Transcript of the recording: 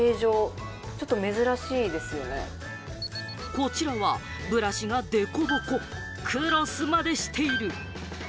こちらはブラシがデコボコ、クロスまでしている。